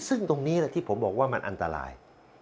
ซึ่งตรงนี้ที่ผมบอกว่ามันอันตราย